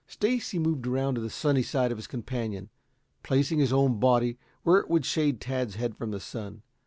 Stacy moved around to the sunny side of his companion, placing his own body where it would shade Tad's head from the sun.